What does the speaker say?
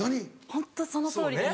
ホントそのとおりです。